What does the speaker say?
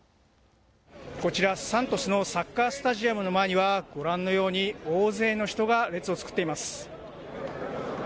こちら、サントスのサッカースタジアムの前には、ご覧のように、大勢の人が列を作っています。